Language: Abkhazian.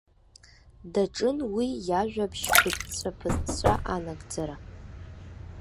Даҿын уи иажәабжь ԥыҵәҵәа-ԥыҵәҵәа анагӡара.